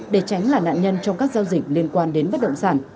để tránh là nạn nhân trong các giao dịch liên quan đến bất động sản